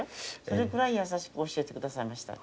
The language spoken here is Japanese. それくらい優しく教えてくださいました。